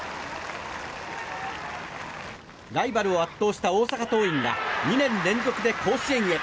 ライバルを圧倒した大阪桐蔭が２年連続で甲子園へ。